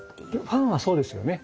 ファンはそうですよね。